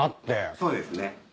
そうですね。